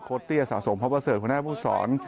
โคลดเตี้ยสะสมเพราะว่าเสิร์ฟคุณภาพผู้สอน